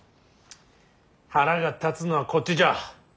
腹が立つのはこっちじゃ。